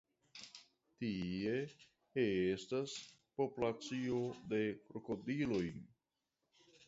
Tie estas populacio de krokodiloj.